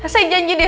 saya janji deh